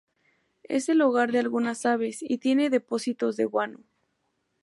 Es el hogar de algunas aves y tiene depósitos de guano.